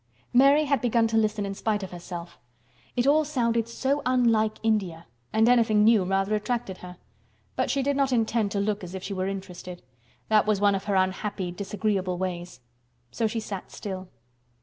Mary had begun to listen in spite of herself. It all sounded so unlike India, and anything new rather attracted her. But she did not intend to look as if she were interested. That was one of her unhappy, disagreeable ways. So she sat still.